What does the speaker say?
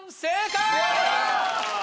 正解！